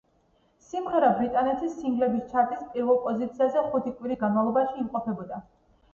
სიმღერა ბრიტანეთის სინგლების ჩარტის პირველ პოზიციაზე ხუთი კვირის განმავლობაში იმყოფებოდა.